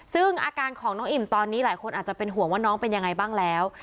ซึ่งอาการของน้องอิ่มตอนนี้หลายคนอาจจะเป็นห่วงว่าน้องเป็นยังไงบ้างแล้ว